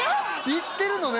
行ってるのね？